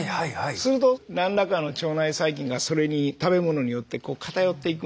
すると何らかの腸内細菌がそれに食べ物によって偏っていくので。